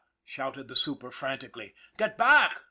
shouted the super frantically. " Get back